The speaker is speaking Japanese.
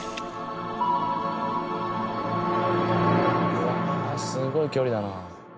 うわあすごい距離だな。